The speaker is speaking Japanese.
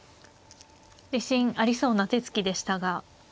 自信ありそうな手つきでしたが。